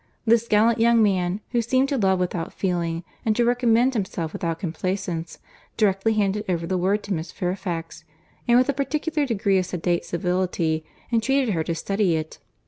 This gallant young man, who seemed to love without feeling, and to recommend himself without complaisance, directly handed over the word to Miss Fairfax, and with a particular degree of sedate civility entreated her to study it.